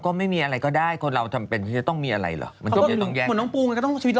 ก็ไม่มีอะไรก็ได้คนเราทำเป็นจะต้องมีอะไรเหรอ